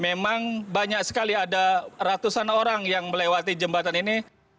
memang banyak sekali ada ratusan orang yang melewati jembatan ini